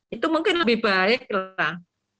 itu mungkin lebih baik lah